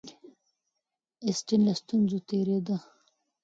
اسټن له ستونزو تېرېده.